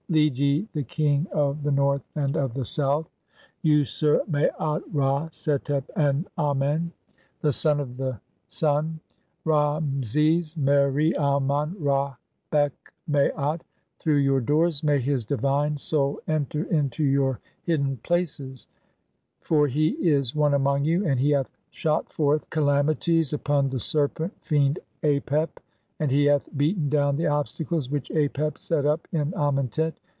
Lead ye the King of "the North and of the South, (Usr Maat Ra setep en Amenl, the "son of the Sun, (Ra meses meri Amen Ra heq Maat^|, through "your doors, may his divine soul enter into your hidden places, "(5) [for] he is one among you, and he hath shot forth cala "mities upon the serpent fiend Apep, and he hath beaten down "the obstacles [which Apep set up] in Amentet.